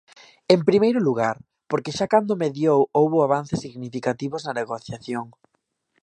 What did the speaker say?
En primeiro lugar, porque xa cando mediou houbo avances significativos na negociación.